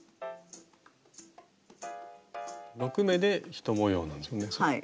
６目で１模様なんですよね。